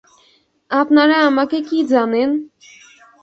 আপনারা আমাকে কী জানেন!